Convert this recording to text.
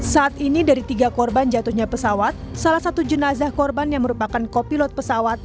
saat ini dari tiga korban jatuhnya pesawat salah satu jenazah korban yang merupakan kopilot pesawat